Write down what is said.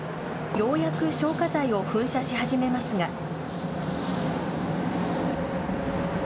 ようやく消火剤を噴射し始めますが。